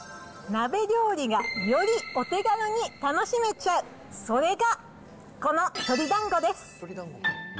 鍋料理がよりお手軽に楽しめちゃう、それが、この鶏だんごです。